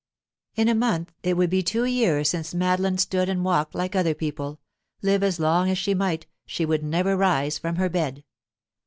In a month it would be two years since Madeline stood and walked like other people; live as long as she might, she would never rise from her bed.